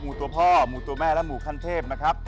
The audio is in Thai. มูตัวพ่อมูตัวแม่และมูคันเทพนะครับ